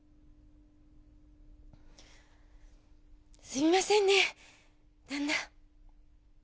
すみませんね旦那。